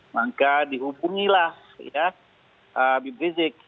maka dihubungilah habib rizik